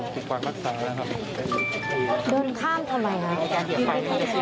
เดินข้ามทำไมคะ